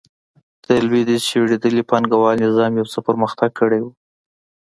د لوېدیځ شړېدلي پانګوال نظام یو څه پرمختګ کړی و.